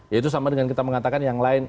ya itu sama dengan kita mengatakan yang lain